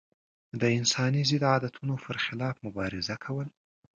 د انساني ضد عادتونو پر خلاف مبارزه کول.